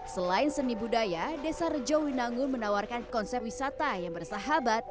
selain seni budaya desa rejowinangun menawarkan konsep wisata yang bersahabat